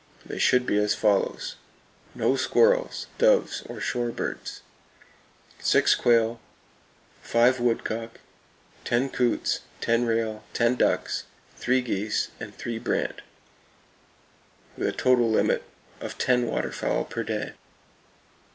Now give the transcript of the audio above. They should be as follows: No squirrels, doves or shore birds; six quail, five woodcock, ten coots, ten rail, ten ducks, three geese and three brant, with a total limit of ten waterfowl per day.